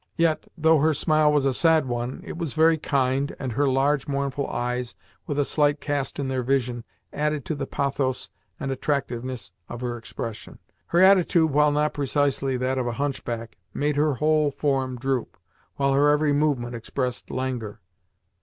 Yet, though her smile was a sad one, it was very kind, and her large, mournful eyes, with a slight cast in their vision, added to the pathos and attractiveness of her expression. Her attitude, while not precisely that of a hunchback, made her whole form droop, while her every movement expressed languor.